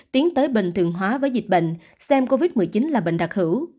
tiến tới bình thường hóa với dịch bệnh xem covid một mươi chín là bệnh đặc hữu